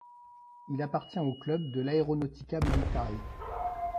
Il appartient au club de l'Aeronautica militare.